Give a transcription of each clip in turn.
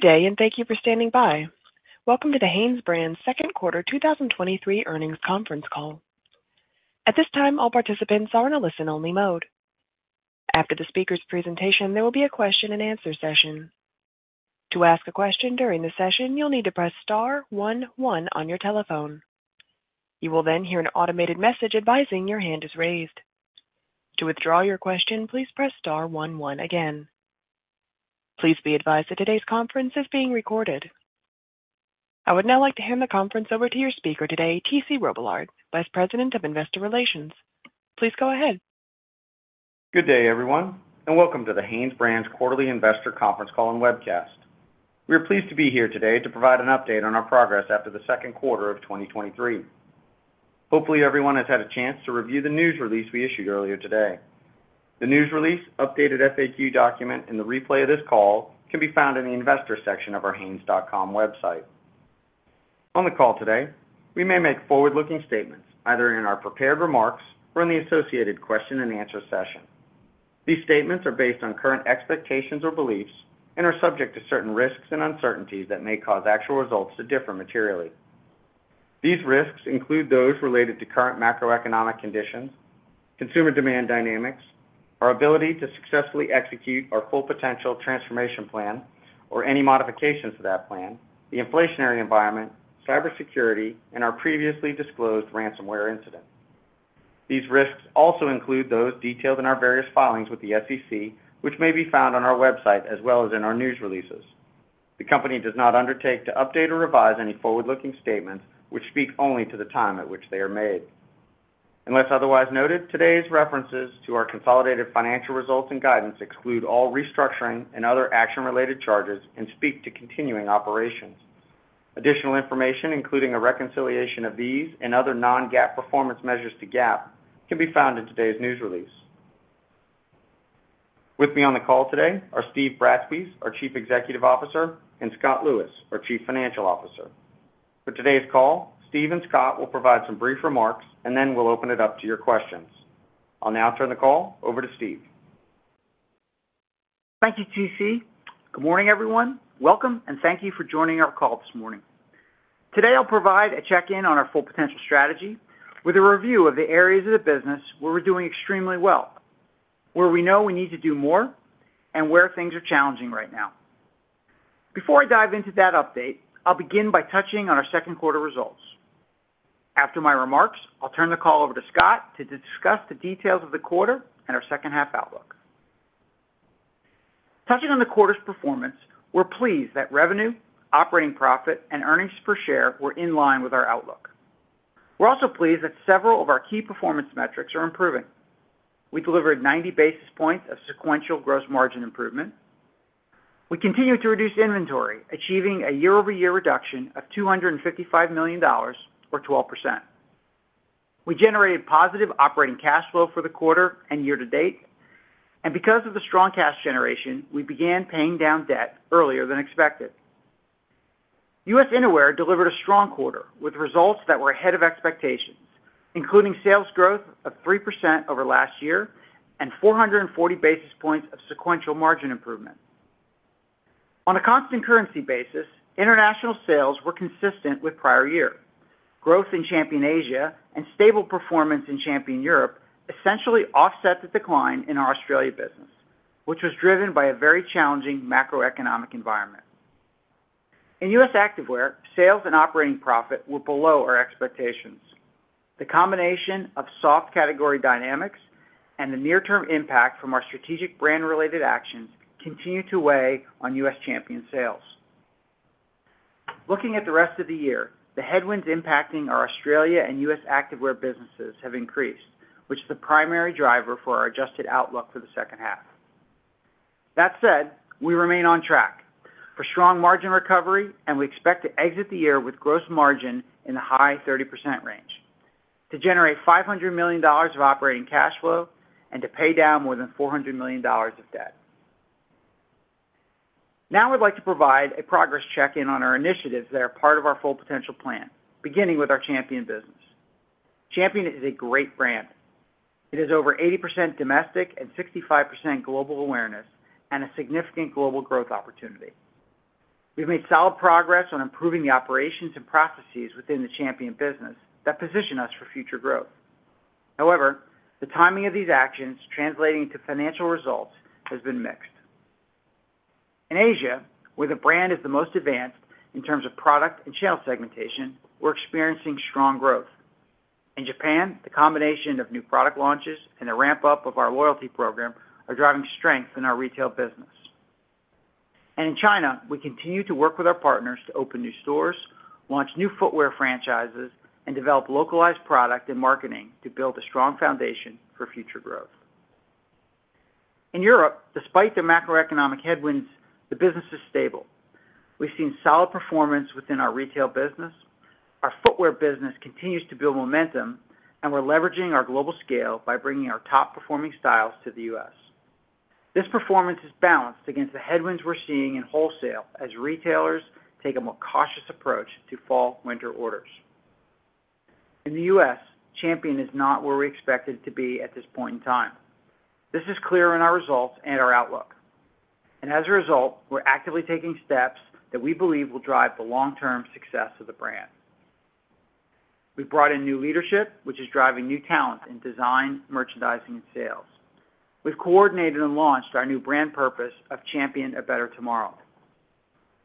Good day, and thank you for standing by. Welcome to the HanesBrands' second quarter 2023 earnings conference call. At this time, all participants are in a listen-only mode. After the speaker's presentation, there will be a question-and-answer session. To ask a question during the session, you'll need to press star one one on your telephone. You will then hear an automated message advising your hand is raised. To withdraw your question, please press star one one again. Please be advised that today's conference is being recorded. I would now like to hand the conference over to your speaker today, T.C. Robillard, Vice President of Investor Relations. Please go ahead. Good day, everyone, and welcome to the HanesBrands quarterly investor conference call and webcast. We are pleased to be here today to provide an update on our progress after the second quarter of 2023. Hopefully, everyone has had a chance to review the news release we issued earlier today. The news release, updated FAQ document, and the replay of this call can be found in the investor section of our hanesbrands.comwebsite. On the call today, we may make forward-looking statements, either in our prepared remarks or in the associated question-and-answer session. These statements are based on current expectations or beliefs and are subject to certain risks and uncertainties that may cause actual results to differ materially. These risks include those related to current macroeconomic conditions, consumer demand dynamics, our ability to successfully execute our Full Potential transformation plan or any modifications to that plan, the inflationary environment, cybersecurity, and our previously disclosed ransomware incident. These risks also include those detailed in our various filings with the SEC, which may be found on our website as well as in our news releases. The company does not undertake to update or revise any forward-looking statements, which speak only to the time at which they are made. Unless otherwise noted, today's references to our consolidated financial results and guidance exclude all restructuring and other action-related charges and speak to continuing operations. Additional information, including a reconciliation of these and other non-GAAP performance measures to GAAP, can be found in today's news release. With me on the call today are Steve Bratspies, our Chief Executive Officer, and Scott Lewis, our Chief Financial Officer. For today's call, Steve and Scott will provide some brief remarks, and then we'll open it up to your questions. I'll now turn the call over to Steve. Thank you, TC. Good morning, everyone. Welcome, and thank you for joining our call this morning. Today, I'll provide a check-in on our Full Potential strategy with a review of the areas of the business where we're doing extremely well, where we know we need to do more, and where things are challenging right now. Before I dive into that update, I'll begin by touching on our second quarter results. After my remarks, I'll turn the call over to Scott to discuss the details of the quarter and our second half outlookTouching on the quarter's performance, we're pleased that revenue, operating profit, and earnings per share were in line with our outlook. We're also pleased that several of our key performance metrics are improving. We delivered 90 basis points of sequential gross margin improvement. We continued to reduce inventory, achieving a year-over-year reduction of $255 million, or 12%. We generated positive operating cash flow for the quarter and year to date, and because of the strong cash generation, we began paying down debt earlier than expected. U.S. Innerwear delivered a strong quarter, with results that were ahead of expectations, including sales growth of 3% over last year and 440 basis points of sequential margin improvement. On a constant currency basis, international sales were consistent with prior year. Growth in Champion Asia and stable performance in Champion Europe essentially offset the decline in our Australia business, which was driven by a very challenging macroeconomic environment. In U.S. Activewear, sales and operating profit were below our expectations. The combination of soft category dynamics and the near-term impact from our strategic brand-related actions continued to weigh on U.S. Champion sales. Looking at the rest of the year, the headwinds impacting our Australia and U.S. Activewear businesses have increased, which is the primary driver for our adjusted outlook for the second half. That said, we remain on track for strong margin recovery, and we expect to exit the year with gross margin in the high 30% range, to generate $500 million of operating cash flow, and to pay down more than $400 million of debt. Now, I'd like to provide a progress check-in on our initiatives that are part of our Full Potential plan, beginning with our Champion business. Champion is a great brand. It has over 80% domestic and 65% global awareness and a significant global growth opportunity. We've made solid progress on improving the operations and processes within the Champion business that position us for future growth. However, the timing of these actions translating to financial results has been mixed. In Asia, where the brand is the most advanced in terms of product and channel segmentation, we're experiencing strong growth. In Japan, the combination of new product launches and the ramp-up of our loyalty program are driving strength in our retail business. In China, we continue to work with our partners to open new stores, launch new footwear franchises, and develop localized product and marketing to build a strong foundation for future growth. In Europe, despite the macroeconomic headwinds, the business is stable. We've seen solid performance within our retail business. Our footwear business continues to build momentum, and we're leveraging our global scale by bringing our top-performing styles to the U.S. This performance is balanced against the headwinds we're seeing in wholesale as retailers take a more cautious approach to fall/winter orders. In the U.S., Champion is not where we expected it to be at this point in time. This is clear in our results and our outlook, and as a result, we're actively taking steps that we believe will drive the long-term success of the brand. We've brought in new leadership, which is driving new talent in design, merchandising, and sales. We've coordinated and launched our new brand purpose of Champion a better tomorrow.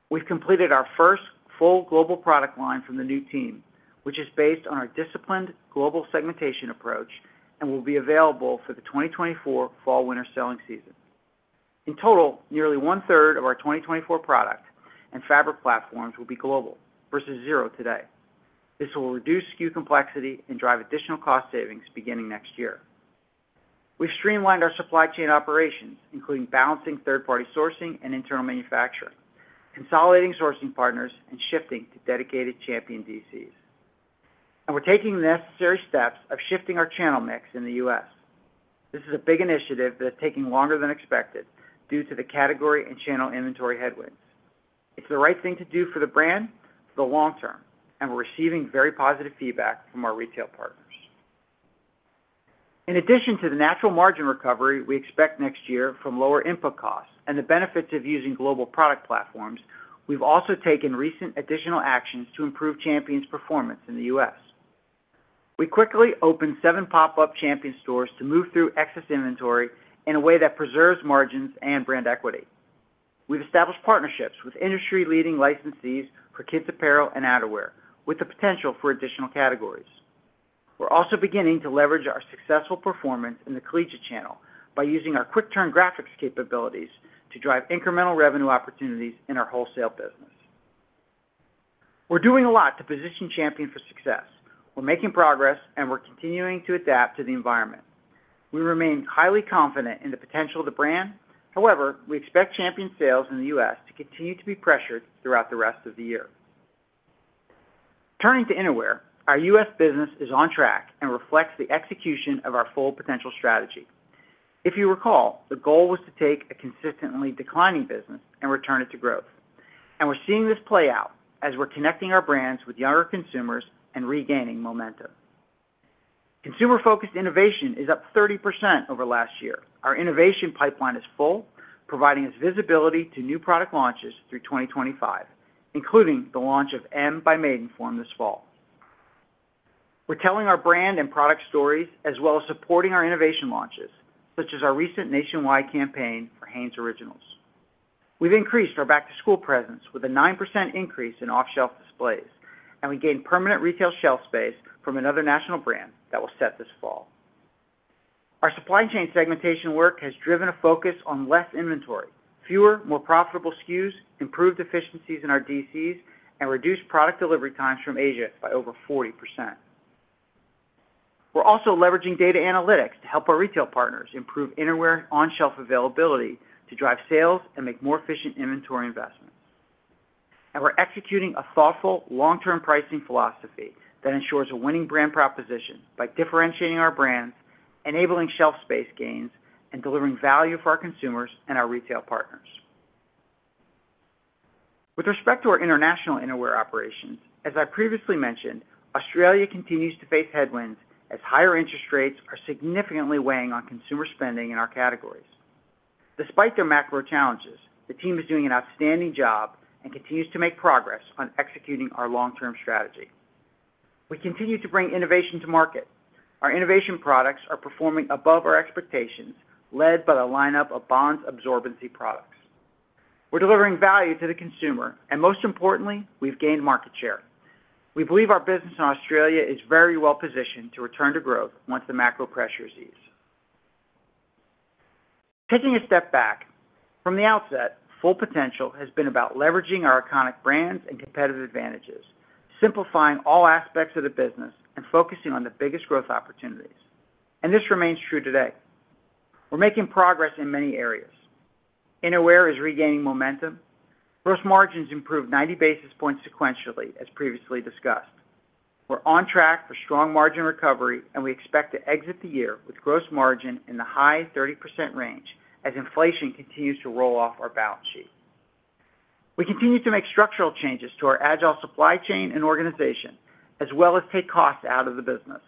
We've completed our first full global product line from the new team, which is based on our disciplined global segmentation approach and will be available for the 2024 fall/winter selling season. In total, nearly one-third of our 2024 product and fabric platforms will be global versus zero today. This will reduce SKU complexity and drive additional cost savings beginning next year. We've streamlined our supply chain operations, including balancing third-party sourcing and internal manufacturing, consolidating sourcing partners, and shifting to dedicated Champion DCs. We're taking the necessary steps of shifting our channel mix in the US. This is a big initiative that is taking longer than expected due to the category and channel inventory headwinds. It's the right thing to do for the brand for the long term, and we're receiving very positive feedback from our retail partners. In addition to the natural margin recovery we expect next year from lower input costs and the benefits of using global product platforms, we've also taken recent additional actions to improve Champion's performance in the US. We quickly opened seven pop-up Champion stores to move through excess inventory in a way that preserves margins and brand equity. We've established partnerships with industry-leading licensees for kids' apparel and outerwear, with the potential for additional categories. We're also beginning to leverage our successful performance in the collegiate channel by using our quick-turn graphics capabilities to drive incremental revenue opportunities in our wholesale business. We're doing a lot to position Champion for success. We're making progress. We're continuing to adapt to the environment. We remain highly confident in the potential of the brand. However, we expect Champion sales in the U.S. to continue to be pressured throughout the rest of the year. Turning to Innerwear, our U.S. business is on track and reflects the execution of our Full Potential strategy. If you recall, the goal was to take a consistently declining business and return it to growth. We're seeing this play out as we're connecting our brands with younger consumers and regaining momentum. Consumer-focused innovation is up 30% over last year. Our innovation pipeline is full, providing us visibility to new product launches through 2025, including the launch of M by Maidenform this fall. We're telling our brand and product stories, as well as supporting our innovation launches, such as our recent nationwide campaign for Hanes Originals. We've increased our back-to-school presence with a 9% increase in off-shelf displays, and we gained permanent retail shelf space from another national brand that will set this fall. Our supply chain segmentation work has driven a focus on less inventory, fewer, more profitable SKUs, improved efficiencies in our DCs, and reduced product delivery times from Asia by over 40%. We're also leveraging data analytics to help our retail partners improve innerwear on-shelf availability to drive sales and make more efficient inventory investments. We're executing a thoughtful, long-term pricing philosophy that ensures a winning brand proposition by differentiating our brands, enabling shelf space gains, and delivering value for our consumers and our retail partners. With respect to our international innerwear operations, as I previously mentioned, Australia continues to face headwinds as higher interest rates are significantly weighing on consumer spending in our categories. Despite their macro challenges, the team is doing an outstanding job and continues to make progress on executing our long-term strategy. We continue to bring innovation to market. Our innovation products are performing above our expectations, led by the lineup of Bonds absorbency products. We're delivering value to the consumer, and most importantly, we've gained market share. We believe our business in Australia is very well positioned to return to growth once the macro pressures ease. Taking a step back, from the outset, Full Potential has been about leveraging our iconic brands and competitive advantages, simplifying all aspects of the business, and focusing on the biggest growth opportunities, and this remains true today. We're making progress in many areas. Innerwear is regaining momentum. Gross margins improved 90 basis points sequentially, as previously discussed. We're on track for strong margin recovery, and we expect to exit the year with gross margin in the high 30% range as inflation continues to roll off our balance sheet. We continue to make structural changes to our agile supply chain and organization, as well as take costs out of the business.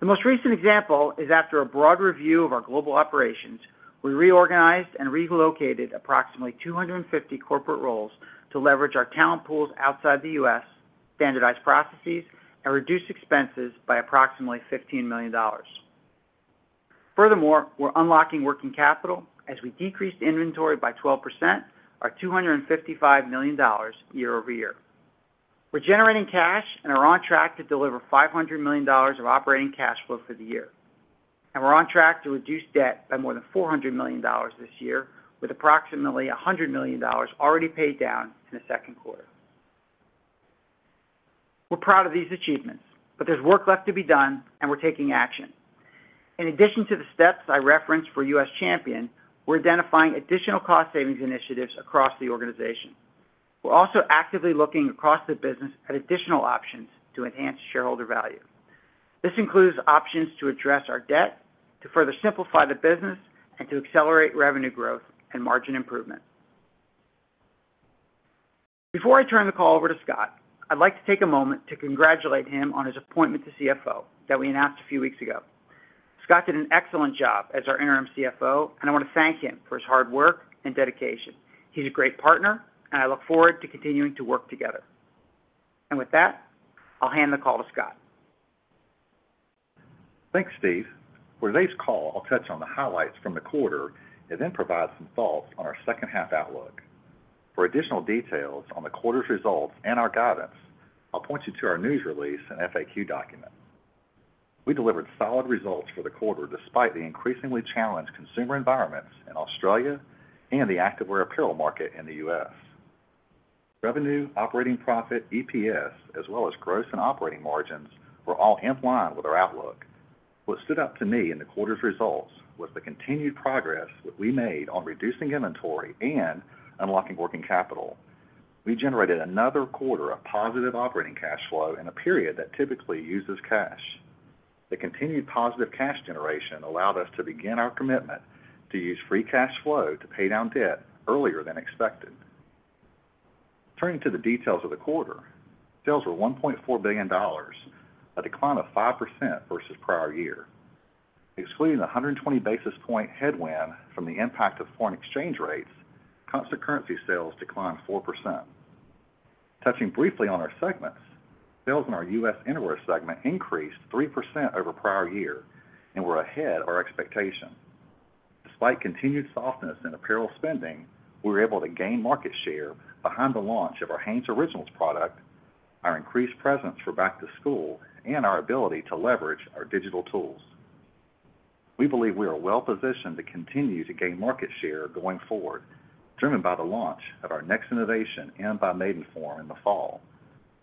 The most recent example is, after a broad review of our global operations, we reorganized and relocated approximately 250 corporate roles to leverage our talent pools outside the U.S., standardized processes, and reduced expenses by approximately $15 million. Furthermore, we're unlocking working capital as we decreased inventory by 12%, or $255 million year-over-year. We're generating cash and are on track to deliver $500 million of operating cash flow for the year, and we're on track to reduce debt by more than $400 million this year, with approximately $100 million already paid down in the second quarter. We're proud of these achievements, but there's work left to be done, and we're taking action. In addition to the steps I referenced for U.S. Champion, we're identifying additional cost savings initiatives across the organization. We're also actively looking across the business at additional options to enhance shareholder value. This includes options to address our debt, to further simplify the business, and to accelerate revenue growth and margin improvement. Before I turn the call over to Scott, I'd like to take a moment to congratulate him on his appointment to CFO that we announced a few weeks ago. Scott did an excellent job as our interim CFO, and I want to thank him for his hard work and dedication. He's a great partner, and I look forward to continuing to work together. With that, I'll hand the call to Scott. Thanks, Steve. For today's call, I'll touch on the highlights from the quarter and then provide some thoughts on our second half outlook. For additional details on the quarter's results and our guidance, I'll point you to our news release and FAQ document. We delivered solid results for the quarter, despite the increasingly challenged consumer environments in Australia and the activewear apparel market in the US. Revenue, operating profit, EPS, as well as gross and operating margins, were all in line with our outlook. What stood out to me in the quarter's results was the continued progress that we made on reducing inventory and unlocking working capital. We generated another quarter of positive operating cash flow in a period that typically uses cash. The continued positive cash generation allowed us to begin our commitment to use free cash flow to pay down debt earlier than expected. Turning to the details of the quarter, sales were $1.4 billion, a decline of 5% versus prior year. Excluding the 120 basis point headwind from the impact of foreign exchange rates, constant currency sales declined 4%. Touching briefly on our segments, sales in our U.S. Innerwear segment increased 3% over prior year and were ahead of our expectation. Despite continued softness in apparel spending, we were able to gain market share behind the launch of our Hanes Originals product, our increased presence for back-to-school, and our ability to leverage our digital tools. We believe we are well positioned to continue to gain market share going forward, driven by the launch of our next innovation and by Maidenform in the fall,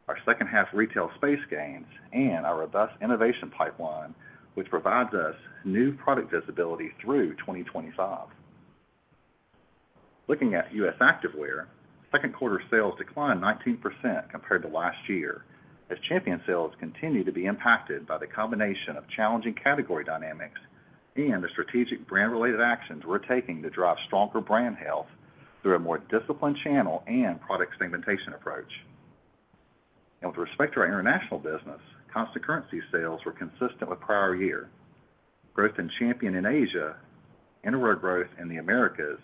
our second-half retail space gains, and our robust innovation pipeline, which provides us new product visibility through 2025. Looking at U.S. Activewear, second quarter sales declined 19% compared to last year, as Champion sales continue to be impacted by the combination of challenging category dynamics and the strategic brand-related actions we're taking to drive stronger brand health through a more disciplined channel and product segmentation approach. With respect to our international business, constant currency sales were consistent with prior year. Growth in Champion in Asia, Innerwear growth in the Americas,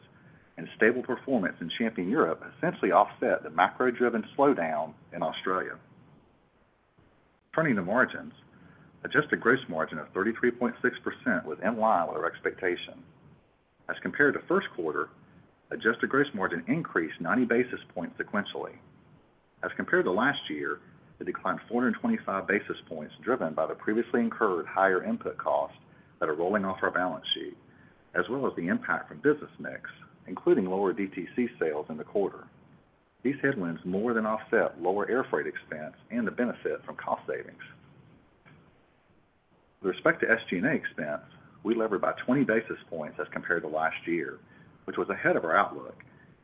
and stable performance in Champion Europe essentially offset the macro-driven slowdown in Australia. Turning to margins, adjusted gross margin of 33.6% was in line with our expectation. As compared to first quarter, adjusted gross margin increased 90 basis points sequentially. As compared to last year, it declined 425 basis points, driven by the previously incurred higher input costs that are rolling off our balance sheet, as well as the impact from business mix, including lower DTC sales in the quarter. These headwinds more than offset lower airfreight expense and the benefit from cost savings. With respect to SG&A expense, we levered by 20 basis points as compared to last year, which was ahead of our outlook,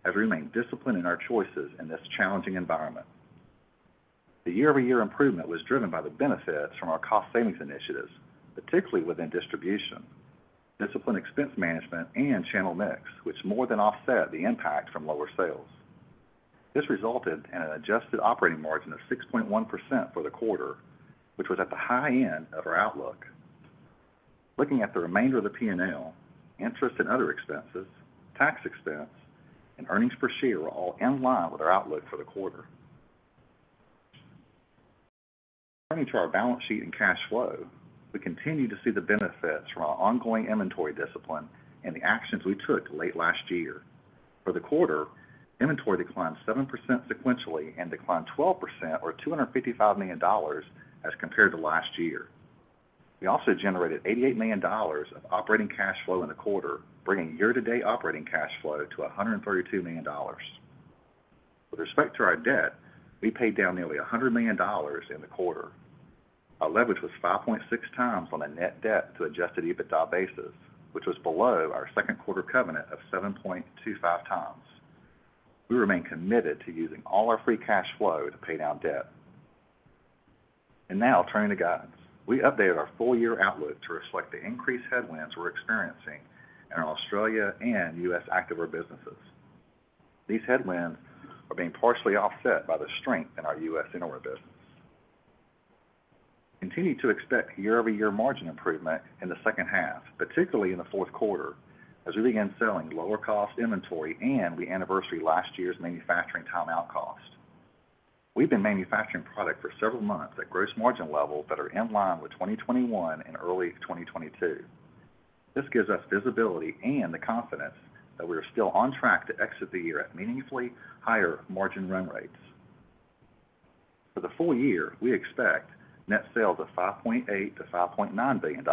as we remained disciplined in our choices in this challenging environment. The year-over-year improvement was driven by the benefits from our cost savings initiatives, particularly within distribution, disciplined expense management, and channel mix, which more than offset the impact from lower sales. This resulted in an adjusted operating margin of 6.1% for the quarter, which was at the high end of our outlook. Looking at the remainder of the P&L, interest and other expenses, tax expense, and earnings per share were all in line with our outlook for the quarter. Turning to our balance sheet and cash flow, we continue to see the benefits from our ongoing inventory discipline and the actions we took late last year. For the quarter, inventory declined 7% sequentially and declined 12% or $255 million as compared to last year. We also generated $88 million of operating cash flow in the quarter, bringing year-to-date operating cash flow to $132 million. With respect to our debt, we paid down nearly $100 million in the quarter. Our leverage was 5.6 times on a net debt to adjusted EBITDA basis, which was below our second quarter covenant of 7.25 times. We remain committed to using all our free cash flow to pay down debt. Now turning to guidance. We updated our full-year outlook to reflect the increased headwinds we're experiencing in our Australia and U.S. Activewear businesses. These headwinds are being partially offset by the strength in our U.S. Innerwear business. Continue to expect year-over-year margin improvement in the second half, particularly in the fourth quarter, as we begin selling lower cost inventory and we anniversary last year's manufacturing timeout cost. We've been manufacturing product for several months at gross margin levels that are in line with 2021 and early 2022. This gives us visibility and the confidence that we are still on track to exit the year at meaningfully higher margin run rates. For the full year, we expect net sales of $5.8 billion-$5.9 billion,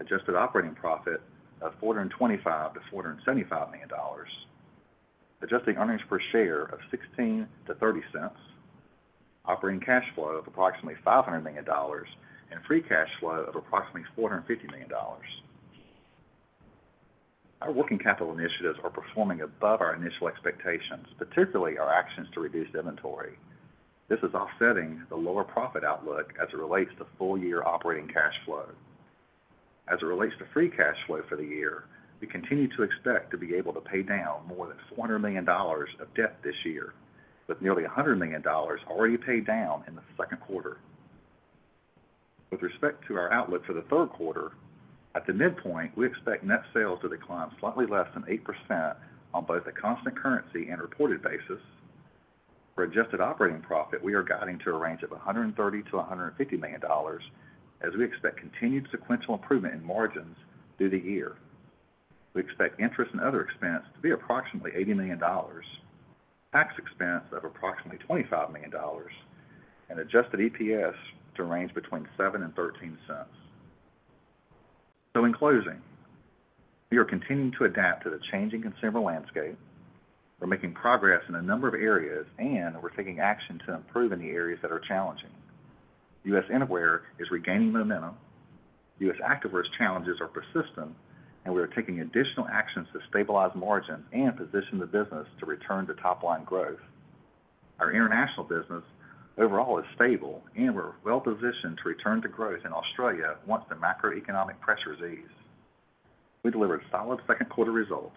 adjusted operating profit of $425 million-$475 million, adjusted earnings per share of $0.16-$0.30, operating cash flow of approximately $500 million, and free cash flow of approximately $450 million. Our working capital initiatives are performing above our initial expectations, particularly our actions to reduce inventory. This is offsetting the lower profit outlook as it relates to full-year operating cash flow. As it relates to free cash flow for the year, we continue to expect to be able to pay down more than $400 million of debt this year, with nearly $100 million already paid down in the second quarter. With respect to our outlook for the third quarter, at the midpoint, we expect net sales to decline slightly less than 8% on both a constant currency and reported basis. For adjusted operating profit, we are guiding to a range of $130 million-$150 million as we expect continued sequential improvement in margins through the year. We expect interest and other expense to be approximately $80 million, tax expense of approximately $25 million, and adjusted EPS to range between $0.07 and $0.13. In closing, we are continuing to adapt to the changing consumer landscape. We're making progress in a number of areas, and we're taking action to improve in the areas that are challenging. U.S. Innerwear is regaining momentum. U.S. Activewear's challenges are persistent. We are taking additional actions to stabilize margins and position the business to return to top line growth. Our international business overall is stable. We're well positioned to return to growth in Australia once the macroeconomic pressures ease. We delivered solid second quarter results.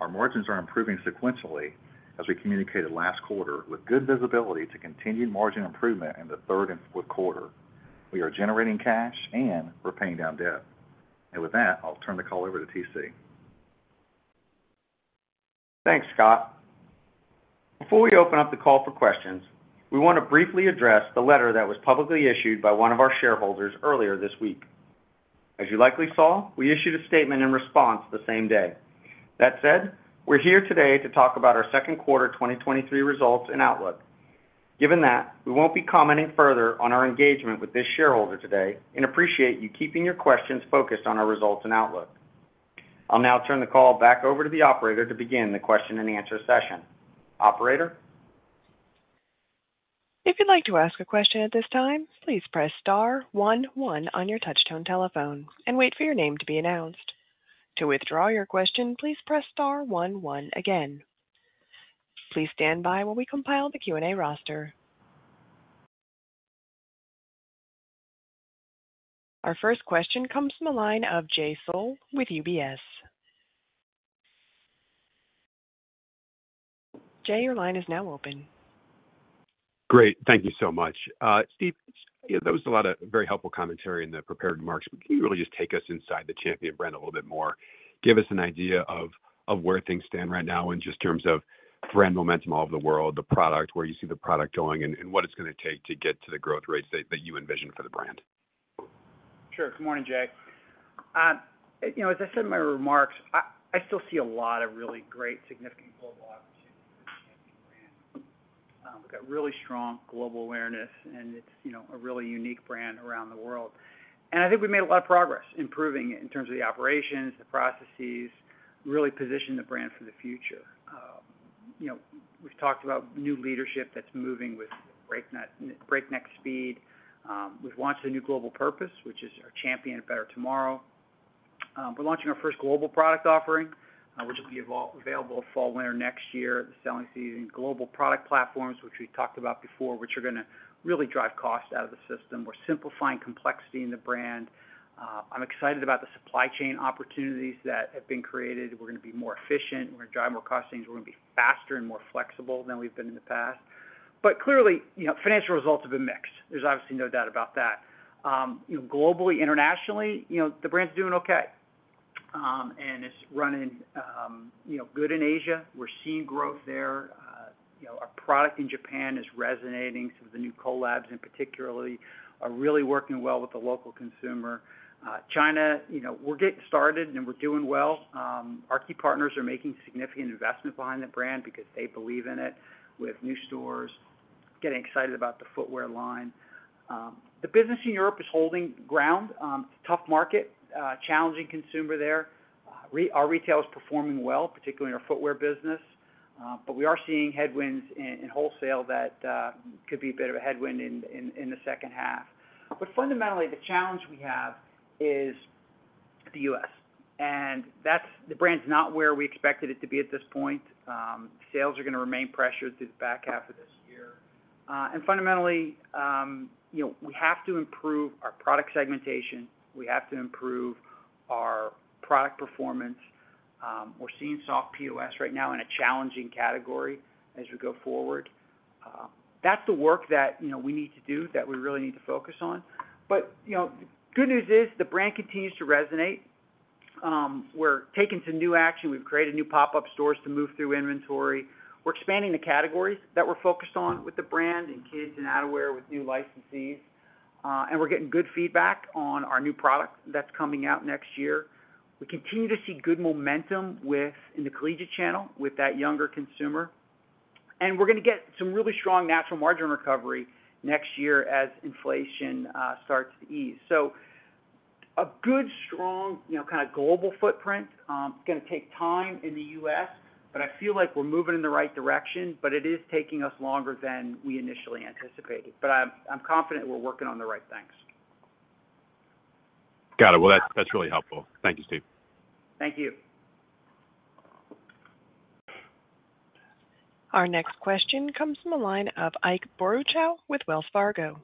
Our margins are improving sequentially as we communicated last quarter, with good visibility to continued margin improvement in the third and fourth quarter. We are generating cash and we're paying down debt. With that, I'll turn the call over to T.C. Thanks, Scott. Before we open up the call for questions, we want to briefly address the letter that was publicly issued by one of our shareholders earlier this week. As you likely saw, we issued a statement in response the same day. That said, we're here today to talk about our second quarter 2023 results and outlook. Given that, we won't be commenting further on our engagement with this shareholder today and appreciate you keeping your questions focused on our results and outlook. I'll now turn the call back over to the operator to begin the question and answer session. Operator? If you'd like to ask a question at this time, please press star 1, 1 on your touchtone telephone and wait for your name to be announced. To withdraw your question, please press star 1, 1 again. Please stand by while we compile the Q&A roster. Our first question comes from the line of Jay Sole with UBS. Jay, your line is now open. Great. Thank you so much. Steve, there was a lot of very helpful commentary in the prepared remarks. Can you really just take us inside the Champion brand a little bit more? Give us an idea of where things stand right now in just terms of brand momentum all over the world, the product, where you see the product going, and what it's gonna take to get to the growth rates that you envision for the brand. Sure. Good morning, Jay. you know, as I said in my remarks, I, I still see a lot of really great significant global opportunities for the Champion brand. We've got really strong global awareness, and it's, you know, a really unique brand around the world. I think we made a lot of progress improving it in terms of the operations, the processes, really positioning the brand for the future. you know, we've talked about new leadership that's moving with breakneck, breakneck speed. We've launched a new global purpose, which is our Champion a better tomorrow. We're launching our first global product offering, which will be available fall, winter next year, the selling season. Global product platforms, which we talked about before, which are gonna really drive cost out of the system. We're simplifying complexity in the brand. I'm excited about the supply chain opportunities that have been created. We're gonna be more efficient, we're gonna drive more cost savings, we're gonna be faster and more flexible than we've been in the past. Clearly, you know, financial results have been mixed. There's obviously no doubt about that. You know, globally, internationally, you know, the brand's doing okay. It's running, you know, good in Asia. We're seeing growth there. You know, our product in Japan is resonating. Some of the new collabs in particularly are really working well with the local consumer. China, you know, we're getting started and we're doing well. Our key partners are making significant investment behind the brand because they believe in it, with new stores, getting excited about the footwear line. The business in Europe is holding ground. Tough market, challenging consumer there. Our retail is performing well, particularly in our footwear business, we are seeing headwinds in wholesale that could be a bit of a headwind in the second half. Fundamentally, the challenge we have is the U.S., the brand's not where we expected it to be at this point. Sales are gonna remain pressured through the back half of this year. Fundamentally, you know, we have to improve our product segmentation. We have to improve our product performance. We're seeing soft POS right now in a challenging category as we go forward. That's the work that, you know, we need to do, that we really need to focus on. You know, good news is, the brand continues to resonate. We're taking some new action. We've created new pop-up stores to move through inventory. We're expanding the categories that we're focused on with the brand in kids and outerwear, with new licensees. We're getting good feedback on our new product that's coming out next year. We continue to see good momentum with in the collegiate channel, with that younger consumer. We're gonna get some really strong natural margin recovery next year as inflation, starts to ease. A good, strong, you know, kind of global footprint, it's gonna take time in the U.S., but I feel like we're moving in the right direction, but it is taking us longer than we initially anticipated. I'm, I'm confident we're working on the right things. Got it. Well, that's, that's really helpful. Thank you, Steve. Thank you. Our next question comes from the line of Ike Boruchow with Wells Fargo.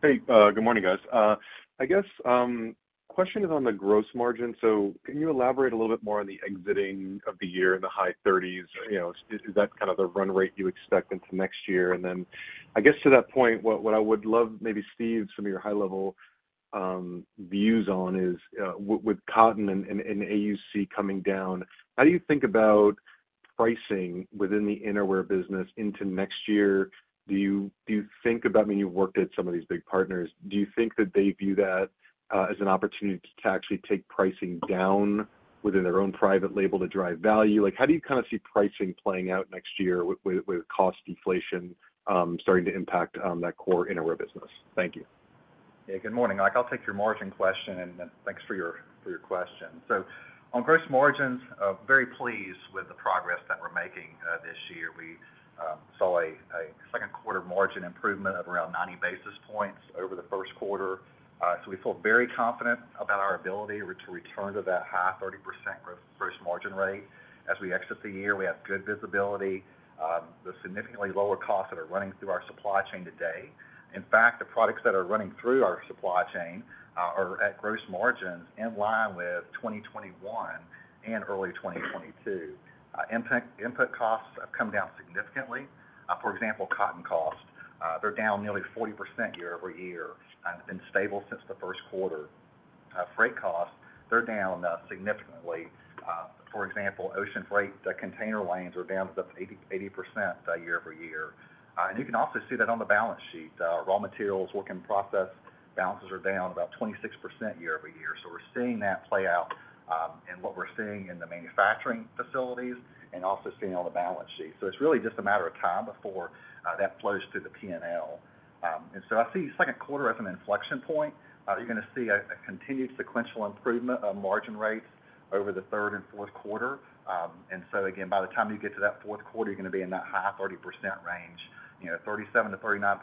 Hey, good morning, guys. I guess, question is on the gross margin. Can you elaborate a little bit more on the exiting of the year in the high thirties? You know, is, is that kind of the run rate you expect into next year? Then I guess to that point, what, what I would love, maybe, Steve, some of your high-level views on is, with cotton and, and, and AUC coming down, how do you think about pricing within the innerwear business into next year? Do you, do you think about... I mean, you've worked at some of these big partners. Do you think that they view that, as an opportunity to, to actually take pricing down within their own private label to drive value? Like, how do you kind of see pricing playing out next year with cost deflation, starting to impact that core innerwear business? Thank you. Hey, good morning, Ike. I'll take your margin question, then thanks for your, for your question. On gross margins, very pleased with the progress that we're making this year. We saw a second quarter margin improvement of around 90 basis points over the first quarter. We feel very confident about our ability to return to that high 30% growth gross margin rate. As we exit the year, we have good visibility with significantly lower costs that are running through our supply chain today. In fact, the products that are running through our supply chain are at gross margins in line with 2021 and early 2022. Input costs have come down significantly. For example, cotton costs, they're down nearly 40% year-over-year and have been stable since the first quarter. Freight costs, they're down significantly. For example, ocean freight, the container lines are down about 80%, 80% year-over-year. You can also see that on the balance sheet, raw materials, work in process balances are down about 26% year-over-year. We're seeing that play out in what we're seeing in the manufacturing facilities and also seeing on the balance sheet. It's really just a matter of time before that flows through the PNL. I see second quarter as an inflection point. You're gonna see a, a continued sequential improvement of margin rates over the third and fourth quarter. Again, by the time you get to that fourth quarter, you're gonna be in that high 30% range, you know, 37%-39%.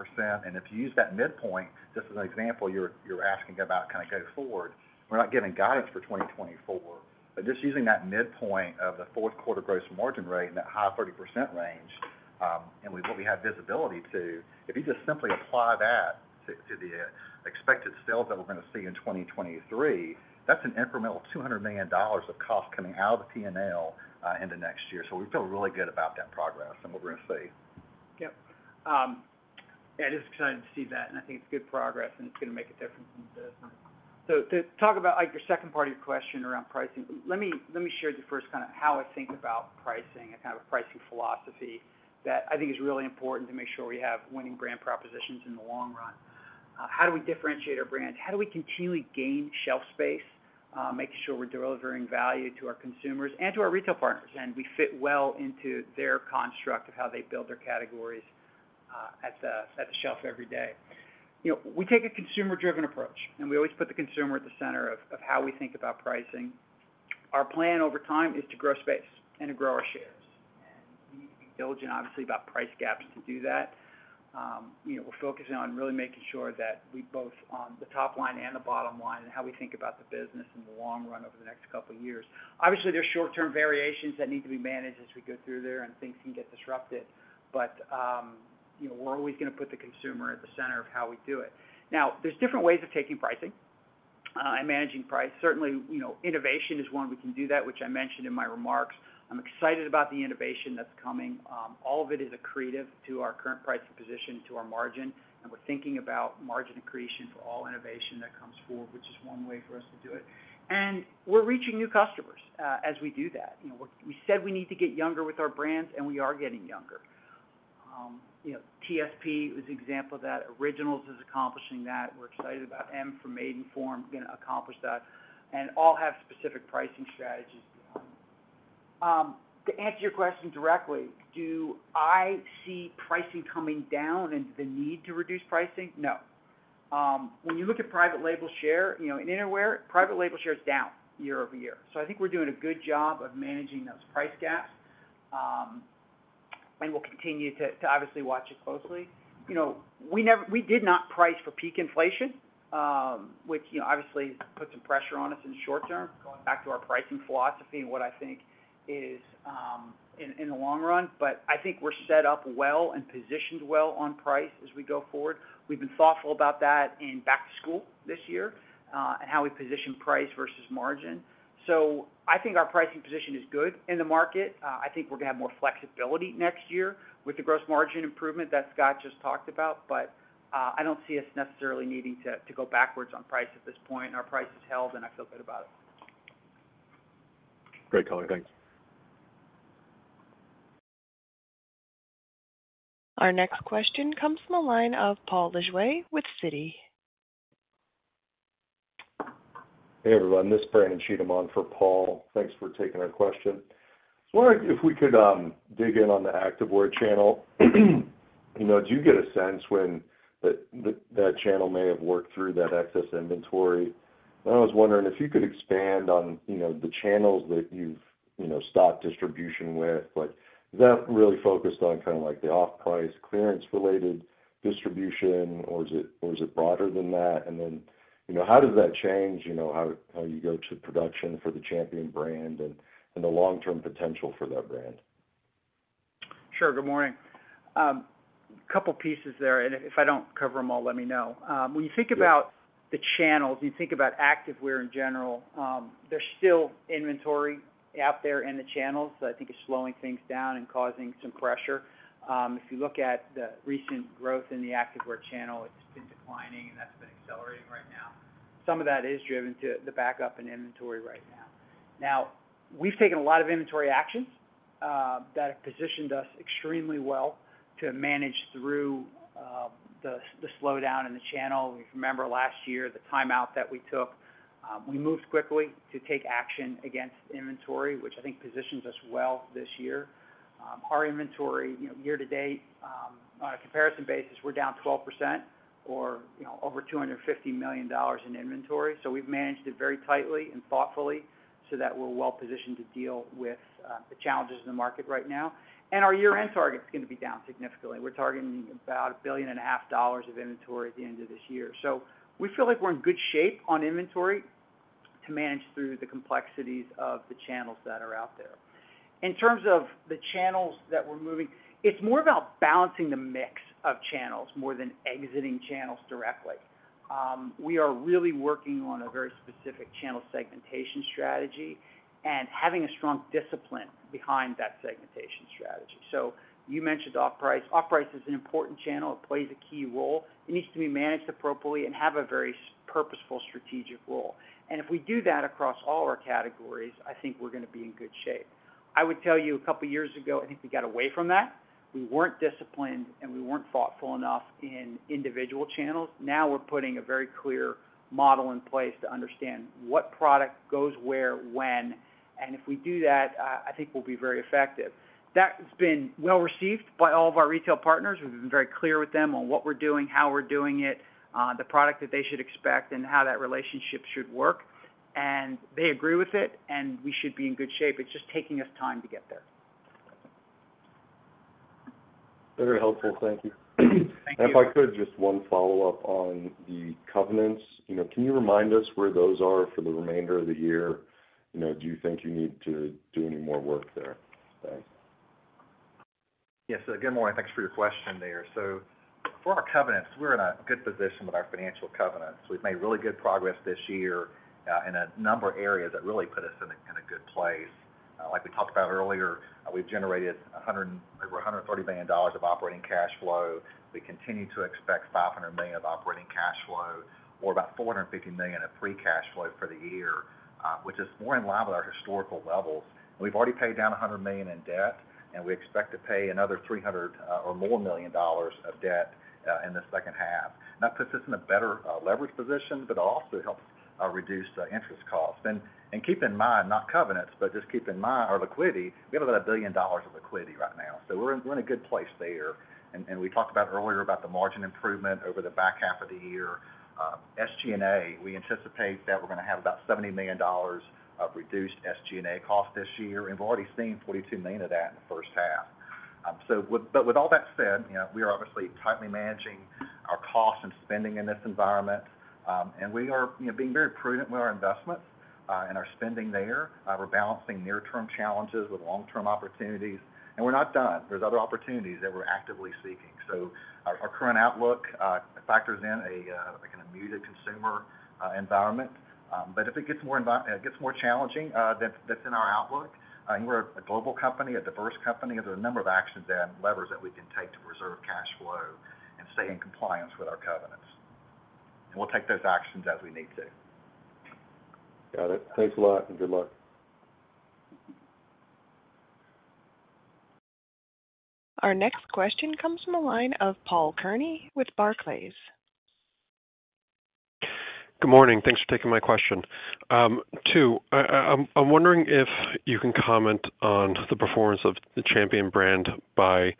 If you use that midpoint, just as an example, you're, you're asking about kind of going forward, we're not giving guidance for 2024. Just using that midpoint of the fourth quarter gross margin rate and that high 30% range, and what we have visibility to, if you just simply apply that to, to the expected sales that we're gonna see in 2023, that's an incremental $200 million of cost coming out of the PNL into next year. We feel really good about that progress and what we're gonna see. Yep. Yeah, just excited to see that, and I think it's good progress, and it's gonna make a difference in the business. To talk about, Ike, the second part of your question around pricing, let me, let me share with you first kind of how I think about pricing and kind of a pricing philosophy that I think is really important to make sure we have winning brand propositions in the long run. How do we differentiate our brands? How do we continually gain shelf space, making sure we're delivering value to our consumers and to our retail partners, and we fit well into their construct of how they build their categories, at the, at the shelf every day? You know, we take a consumer-driven approach, and we always put the consumer at the center of, of how we think about pricing. Our plan over time is to grow space and to grow our shares, and we need to be diligent, obviously, about price gaps to do that. You know, we're focusing on really making sure that we both on the top line and the bottom line and how we think about the business in the long run over the next couple of years. Obviously, there's short-term variations that need to be managed as we go through there, and things can get disrupted. You know, we're always gonna put the consumer at the center of how we do it. There's different ways of taking pricing and managing price. Certainly, you know, innovation is one. We can do that, which I mentioned in my remarks. I'm excited about the innovation that's coming. All of it is accretive to our current pricing position, to our margin, and we're thinking about margin accretion for all innovation that comes forward, which is one way for us to do it. We're reaching new customers, as we do that. You know, we, we said we need to get younger with our brands, and we are getting younger. You know, TSP is an example of that. Originals is accomplishing that. We're excited about M by Maidenform, gonna accomplish that, and all have specific pricing strategies behind. To answer your question directly, do I see pricing coming down and the need to reduce pricing? No. When you look at private label share, you know, in innerwear, private label share is down year-over-year. I think we're doing a good job of managing those price gaps, and we'll continue to obviously watch it closely. You know, we never we did not price for peak inflation, which, you know, obviously put some pressure on us in the short term, going back to our pricing philosophy and what I think is in the long run. I think we're set up well and positioned well on price as we go forward. We've been thoughtful about that in back to school this year, and how we position price versus margin. I think our pricing position is good in the market. I think we're gonna have more flexibility next year with the gross margin improvement that Scott just talked about, but I don't see us necessarily needing to go backwards on price at this point. Our price is held, and I feel good about it. Great color. Thanks. Our next question comes from the line of Paul Lejuez with Citi. Hey, everyone, this is Brandon Cheatham on for Paul. Thanks for taking our question. I was wondering if we could dig in on the activewear channel. You know, do you get a sense when that channel may have worked through that excess inventory? I was wondering if you could expand on, you know, the channels that you've, you know, stopped distribution with. Like, is that really focused on kind of like the off-price, clearance-related distribution, or is it broader than that? Then, you know, how does that change, you know, how you go to production for the Champion brand and the long-term potential for that brand? Sure, good morning. couple pieces there, if I don't cover them all, let me know. When you think about the channels, you think about activewear in general, there's still inventory out there in the channels that I think is slowing things down and causing some pressure. If you look at the recent growth in the activewear channel, it's been declining, and that's been accelerating right now. Some of that is driven to the backup in inventory right now. We've taken a lot of inventory actions that have positioned us extremely well to manage through the slowdown in the channel. If you remember last year, the timeout that we took, we moved quickly to take action against inventory, which I think positions us well this year. Our inventory, you know, year to date, on a comparison basis, we're down 12% or, you know, over $250 million in inventory. We've managed it very tightly and thoughtfully so that we're well positioned to deal with the challenges in the market right now. Our year-end target is gonna be down significantly. We're targeting about $1.5 billion of inventory at the end of this year. We feel like we're in good shape on inventory to manage through the complexities of the channels that are out there. In terms of the channels that we're moving, it's more about balancing the mix of channels more than exiting channels directly. We are really working on a very specific channel segmentation strategy and having a strong discipline behind that segmentation strategy. You mentioned off-price. Off-price is an important channel. It plays a key role. It needs to be managed appropriately and have a very purposeful, strategic role. If we do that across all our categories, I think we're gonna be in good shape. I would tell you, a couple years ago, I think we got away from that. We weren't disciplined, and we weren't thoughtful enough in individual channels. Now, we're putting a very clear model in place to understand what product goes where, when, and if we do that, I think we'll be very effective. That has been well received by all of our retail partners. We've been very clear with them on what we're doing, how we're doing it, the product that they should expect, and how that relationship should work. They agree with it, and we should be in good shape. It's just taking us time to get there. Very helpful. Thank you. Thank you. If I could, just 1 follow-up on the covenants. You know, can you remind us where those are for the remainder of the year? You know, do you think you need to do any more work there? Thanks. Yes. Good morning. Thanks for your question there. For our covenants, we're in a good position with our financial covenants. We've made really good progress this year, in a number of areas that really put us in a good place. Like we talked about earlier, we've generated over $130 million of operating cash flow. We continue to expect $500 million of operating cash flow or about $450 million of free cash flow for the year, which is more in line with our historical levels. We've already paid down $100 million in debt, and we expect to pay another $300 million or more of debt in the second half. That puts us in a better leverage position, but it also helps reduce interest costs. Keep in mind, not covenants, but just keep in mind, our liquidity, we have about $1 billion of liquidity right now, so we're in, we're in a good place there. We talked about earlier about the margin improvement over the back half of the year. SG&A, we anticipate that we're gonna have about $70 million of reduced SG&A costs this year, and we've already seen $42 million of that in the first half. But with all that said, you know, we are obviously tightly managing our costs and spending in this environment, and we are, you know, being very prudent with our investments, and our spending there. We're balancing near-term challenges with long-term opportunities, and we're not done. There's other opportunities that we're actively seeking. Our, our current outlook factors in a, like, a muted consumer environment. If it gets more challenging, that's in our outlook. We're a global company, a diverse company. There's a number of actions and levers that we can take to preserve cash flow and stay in compliance with our covenants. We'll take those actions as we need to. Got it. Thanks a lot. Good luck. Our next question comes from the line of Paul Kearney with Barclays. Good morning. Thanks for taking my question. two, I'm wondering if you can comment on the performance of the Champion brand by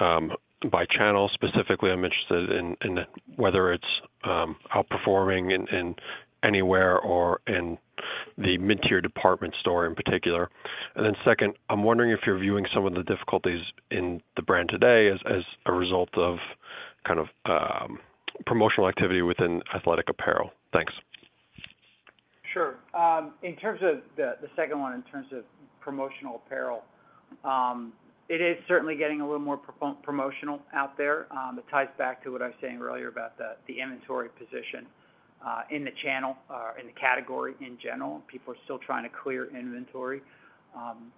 by channel. Specifically, I'm interested in whether it's outperforming in anywhere or in the mid-tier department store in particular. Second, I'm wondering if you're viewing some of the difficulties in the brand today as as a result of kind of promotional activity within athletic apparel. Thanks. Sure. In terms of the, the second one, in terms of promotional apparel, it is certainly getting a little more promotional out there. It ties back to what I was saying earlier about the, the inventory position, in the channel, or in the category in general. People are still trying to clear inventory.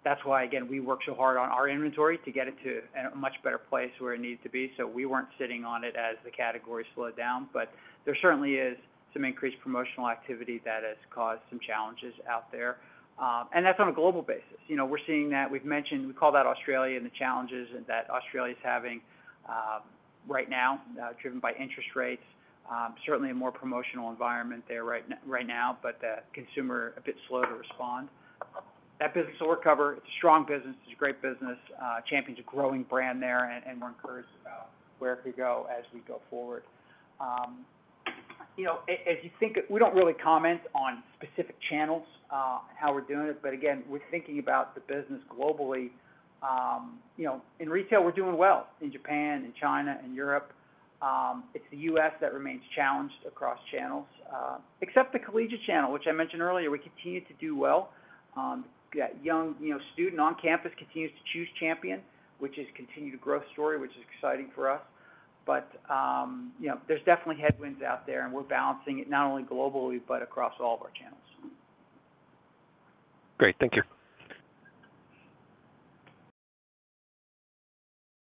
That's why, again, we worked so hard on our inventory to get it to, at a much better place where it needs to be. We weren't sitting on it as the category slowed down, but there certainly is some increased promotional activity that has caused some challenges out there. That's on a global basis. You know, we're seeing that. We call that Australia, and the challenges that Australia's having, right now, driven by interest rates. Certainly a more promotional environment there right now, but the consumer, a bit slow to respond. That business will recover. It's a strong business. It's a great business. Champion's a growing brand there, and we're encouraged about where it could go as we go forward. You know, as you think, we don't really comment on specific channels, and how we're doing it, but again, we're thinking about the business globally. You know, in retail, we're doing well in Japan, in China, in Europe. It's the U.S. that remains challenged across channels, except the collegiate channel, which I mentioned earlier. We continue to do well. That young, you know, student on campus continues to choose Champion, which is continued a growth story, which is exciting for us. You know, there's definitely headwinds out there, and we're balancing it, not only globally but across all of our channels. Great. Thank you.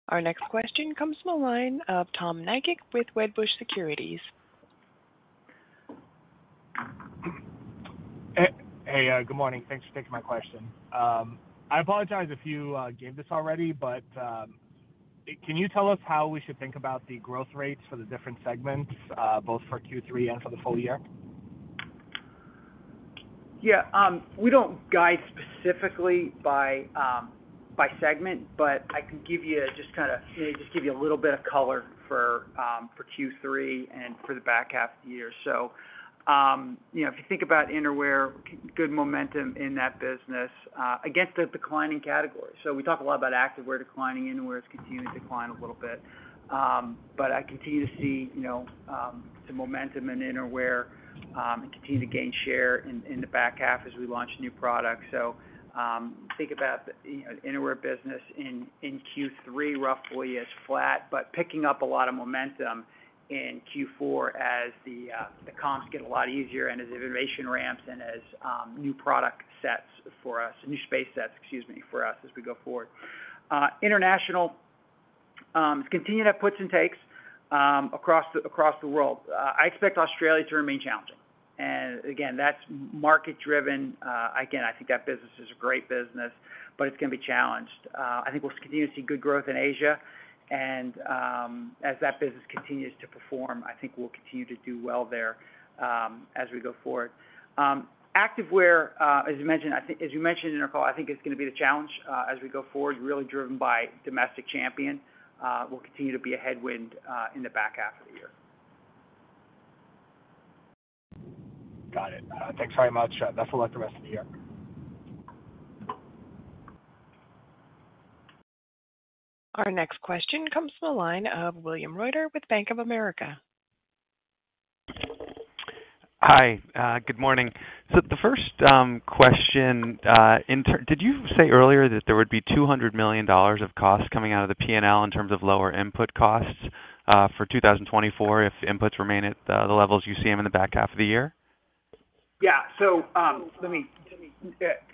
Our next question comes from the line of Tom Nikic with Wedbush Securities. Hey, good morning. Thanks for taking my question. I apologize if you gave this already, but can you tell us how we should think about the growth rates for the different segments, both for Q3 and for the full year? Yeah, we don't guide specifically by segment, but I can give you just kind of just give you a little bit of color for Q3 and for the back half of the year. You know, if you think about Innerwear, good momentum in that business against a declining category. We talk a lot about Activewear declining, Innerwear has continued to decline a little bit. I continue to see, you know, some momentum in Innerwear and continue to gain share in, in the back half as we launch new products. Think about, you know, innerwear business in, in Q3, roughly as flat, but picking up a lot of momentum in Q4 as the comps get a lot easier and as innovation ramps and as new product sets for us, new space sets, excuse me, for us as we go forward. International, it's continued to have puts and takes across the, across the world. I expect Australia to remain challenging, and again, that's market driven. Again, I think that business is a great business, but it's gonna be challenged. I think we'll continue to see good growth in Asia, and as that business continues to perform, I think we'll continue to do well there as we go forward. Activewear, as you mentioned in our call, I think it's gonna be the challenge, as we go forward, really driven by domestic Champion. Will continue to be a headwind in the back half of the year. Got it. Thanks very much. Best of luck the rest of the year. Our next question comes from the line of William Reuter with Bank of America. Hi, good morning. The first question, did you say earlier that there would be $200 million of costs coming out of the PNL in terms of lower input costs, for 2024, if inputs remain at the, the levels you see them in the back half of the year? Yeah. Let me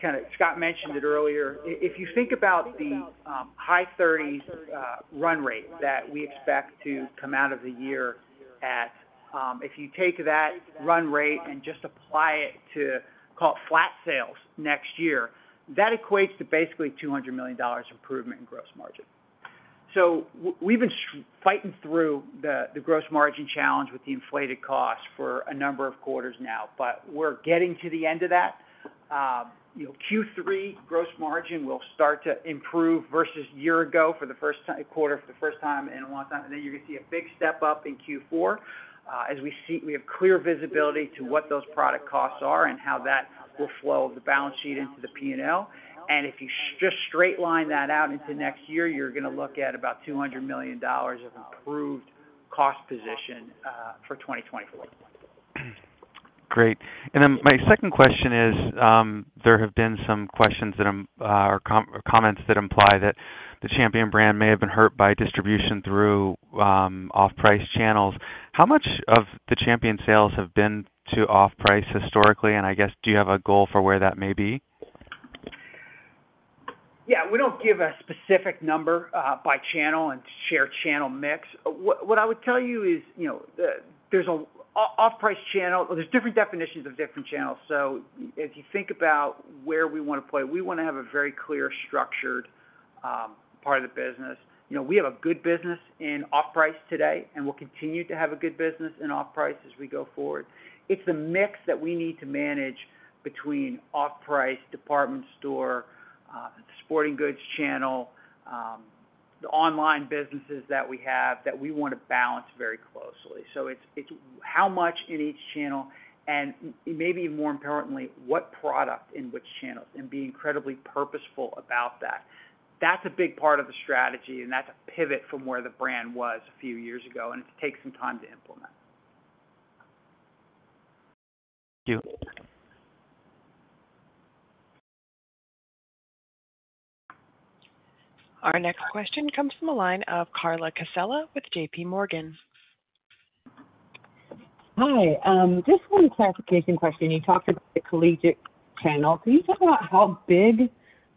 kind of... Scott mentioned it earlier. I-if you think about the high 30s run rate that we expect to come out of the year at, if you take that run rate and just apply it to, call it flat sales next year, that equates to basically $200 million improvement in gross margin. W-we've been fighting through the, the gross margin challenge with the inflated costs for a number of quarters now, but we're getting to the end of that. You know, Q3 gross margin will start to improve versus year-ago for the first ti- quarter, for the first time in a long time. Then you're gonna see a big step up in Q4. As we see, we have clear visibility to what those product costs are and how that will flow the balance sheet into the PNL. If you just straight line that out into next year, you're gonna look at about $200 million of improved cost position, for 2024. Great. My second question is, there have been some questions that, or comments that imply that the Champion brand may have been hurt by distribution through off-price channels. How much of the Champion sales have been to off-price historically? I guess, do you have a goal for where that may be? Yeah, we don't give a specific number by channel and share channel mix. What, what I would tell you is, you know, the there's a off-price channel. Well, there's different definitions of different channels. So if you think about where we wanna play, we wanna have a very clear, structured part of the business. You know, we have a good business in off-price today, and we'll continue to have a good business in off-price as we go forward. It's the mix that we need to manage between off-price, department store, sporting goods channel, the online businesses that we have that we wanna balance very closely. So it's, it's how much in each channel, and maybe more importantly, what product in which channels, and be incredibly purposeful about that. That's a big part of the strategy. That's a pivot from where the brand was a few years ago. It takes some time to implement. Thank you. Our next question comes from the line of Carla Casella with JP Morgan. Hi, just 1 clarification question. You talked about the collegiate channel. Can you talk about how big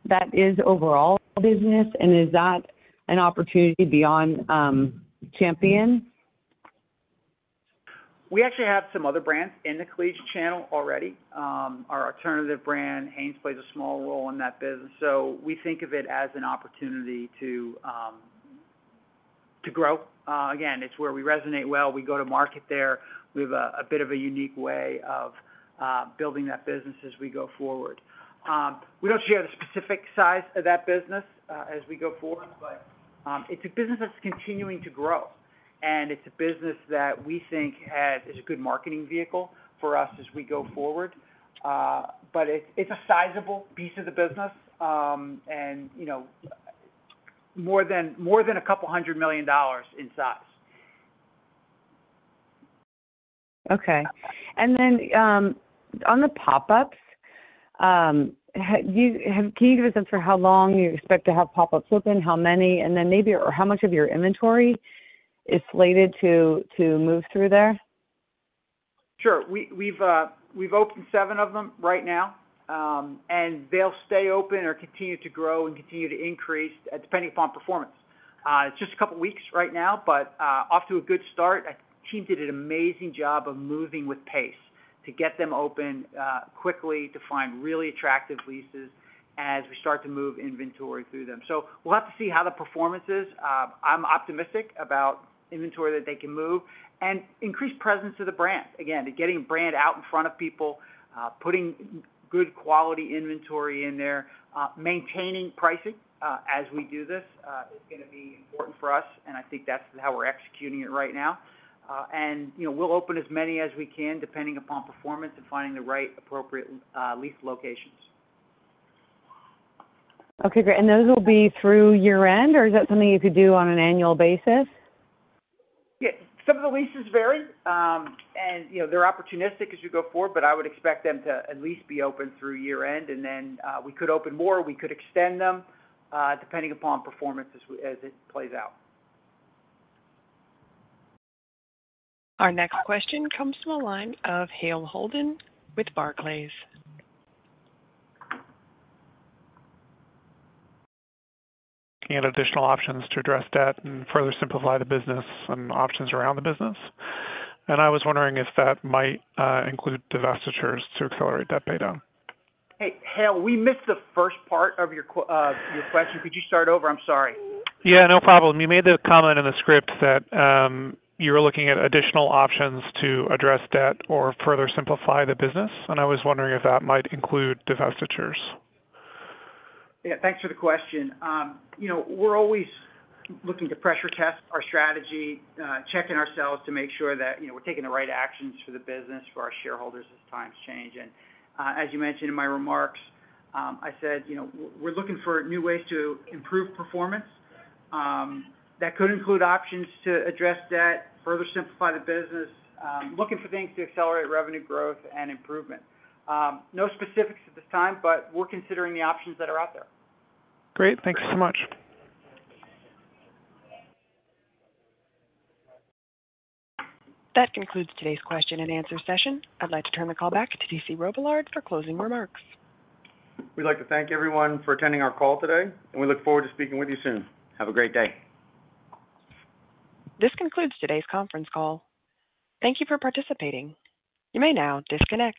that is overall business, and is that an opportunity beyond Champion? We actually have some other brands in the collegiate channel already. Our Alternative brand, Hanes, plays a small role in that business. We think of it as an opportunity to grow. Again, it's where we resonate well. We go to market there. We have a, a bit of a unique way of building that business as we go forward. We don't share the specific size of that business as we go forward, but it's a business that's continuing to grow, and it's a business that we think has is a good marketing vehicle for us as we go forward. It's, it's a sizable piece of the business, and, you know, more than, more than a couple hundred million dollars in size. Okay, on the pop-ups, can you give us a for how long you expect to have pop-ups open? How many, and then maybe or how much of your inventory is slated to, to move through there? Sure. We, we've, we've opened 7 of them right now. They'll stay open or continue to grow and continue to increase, depending upon performance. It's just a couple weeks right now, but off to a good start. I think the team did an amazing job of moving with pace to get them open quickly, to find really attractive leases as we start to move inventory through them. We'll have to see how the performance is. I'm optimistic about inventory that they can move and increase presence of the brand. Again, to getting the brand out in front of people, putting good quality inventory in there, maintaining pricing, as we do this, is gonna be important for us, and I think that's how we're executing it right now. You know, we'll open as many as we can, depending upon performance and finding the right, appropriate, lease locations. Okay, great. Those will be through year-end, or is that something you could do on an annual basis? Yeah, some of the leases vary, and, you know, they're opportunistic as you go forward, but I would expect them to at least be open through year-end, and then, we could open more, we could extend them, depending upon performance as we, as it plays out. Our next question comes from the line of Hale Holden with Barclays. Additional options to address debt and further simplify the business and options around the business. I was wondering if that might include divestitures to accelerate that pay down? Hey, Hale, we missed the first part of your question. Could you start over? I'm sorry. Yeah, no problem. You made the comment in the script that you were looking at additional options to address debt or further simplify the business, and I was wondering if that might include divestitures. Yeah, thanks for the question. You know, we're always looking to pressure test our strategy, checking ourselves to make sure that, you know, we're taking the right actions for the business, for our shareholders as times change. As you mentioned in my remarks, I said, you know, we're looking for new ways to improve performance. That could include options to address debt, further simplify the business, looking for things to accelerate revenue growth and improvement. No specifics at this time, but we're considering the options that are out there. Great. Thank you so much. That concludes today's question and answer session. I'd like to turn the call back to T.C. Robillard for closing remarks. We'd like to thank everyone for attending our call today, and we look forward to speaking with you soon. Have a great day. This concludes today's conference call. Thank you for participating. You may now disconnect.